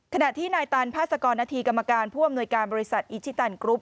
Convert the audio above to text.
ขณะที่นายตันพาสกรณฑีกรรมการผู้อำนวยการบริษัทอิชิตันกรุ๊ป